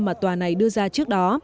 mà tòa này đưa ra trước đó